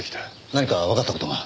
何かわかった事が？